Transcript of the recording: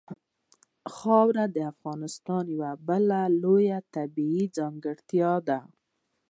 خاوره د افغانستان یوه بله لویه طبیعي ځانګړتیا ده.